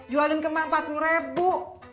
jualin kemari empat puluh ribu